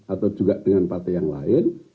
atau juga dengan partai yang lain